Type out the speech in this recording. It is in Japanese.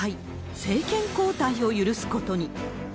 政権交代を許すことに。